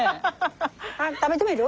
食べてみる？